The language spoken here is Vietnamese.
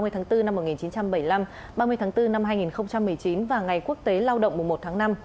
ba mươi tháng bốn năm một nghìn chín trăm bảy mươi năm ba mươi tháng bốn năm hai nghìn một mươi chín và ngày quốc tế lao động mùa một tháng năm